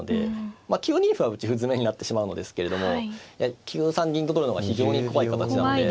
まあ９二歩は打ち歩詰めになってしまうのですけれども９三銀と取るのが非常に怖い形なので。